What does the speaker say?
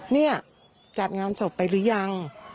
เนี่ยจัดงานศพไปหรือยัง